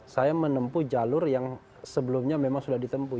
saya menempuh jalur yang sebelumnya memang sudah ditempuh